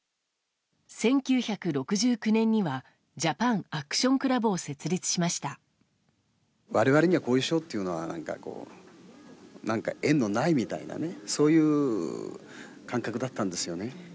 １９６９年にはジャパンアクションクラブを我々にはこういう賞っていうのは縁のないみたいなそういう感覚だったんですよね。